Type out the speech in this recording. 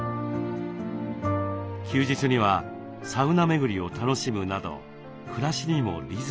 休日にはサウナ巡りを楽しむなど暮らしにもリズムが。